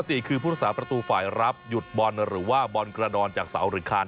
สี่คือผู้รักษาประตูฝ่ายรับหยุดบอลหรือว่าบอลกระดอนจากเสาหรือคาน